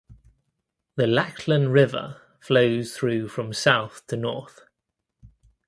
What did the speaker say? The Lachlan River flows through from south to north.